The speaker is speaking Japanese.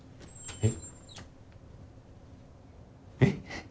えっ⁉